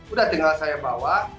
udah tinggal saya bawa